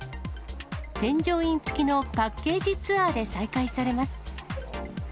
添乗員付きのパッケージツアーで再開されます。